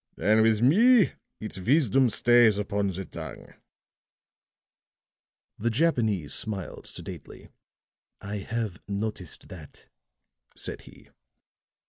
"And with me its wisdom stays upon the tongue." The Japanese smiled sedately. "I have noticed that," said he.